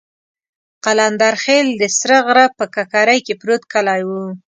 قلندرخېل د سره غره په ککرۍ کې پروت کلی وو.